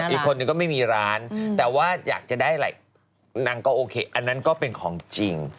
อีกคนนึงก็ไม่มีร้านแต่ว่าอยากจะได้อะไรนางก็โอเคอันนั้นก็เป็นของจริง